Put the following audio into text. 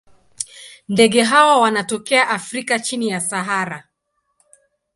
Ndege hawa wanatokea Afrika chini ya Sahara.